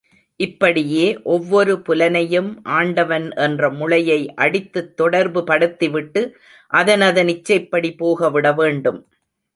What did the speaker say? இப்படியே ஒவ்வொரு புலனையும் ஆண்டவன் என்ற முளையை அடித்துத் தொடர்புபடுத்திவிட்டு அதனதன் இச்சைப்படி போக விட வேண்டும்.